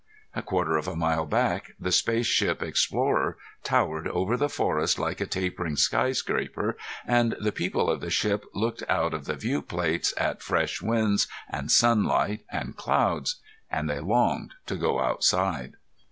A quarter of a mile back, the space ship Explorer towered over the forest like a tapering skyscraper, and the people of the ship looked out of the viewplates at fresh winds and sunlight and clouds, and they longed to be outside.